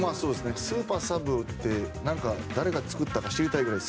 スーパーサブって誰が作ったか知りたいくらい。